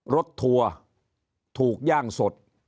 รถทัวร์ถูกย่างสด